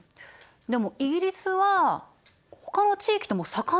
でもイギリスはほかの地域とも盛んに貿易してたの。